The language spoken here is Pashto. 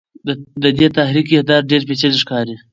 د دې تحریک اهداف ډېر پېچلي ښکاري.